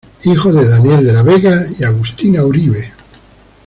Hijo de Daniel de la Vega y Agustina Uribe.